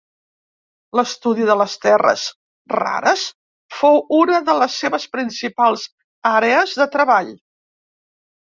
L'estudi de les terres rares fou una de les seves principals àrees de treball.